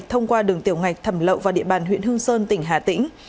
thông qua đường tiểu ngạch thẩm lậu vào địa bàn huyện hương sơn tỉnh hà tĩnh